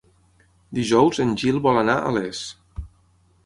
Dijous en Gil vol anar a Les.